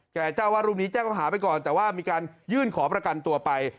เจ้าวาดรูปนี้แจ้งเขาหาไปก่อนแต่ว่ามีการยื่นขอประกันตัวไป